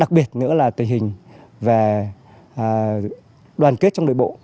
đặc biệt nữa là tình hình và đoàn kết trong đội bộ